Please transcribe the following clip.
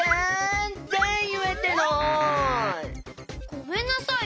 「ごめんなさい」